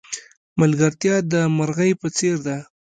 ملگرتیا د مرغی په څېر ده.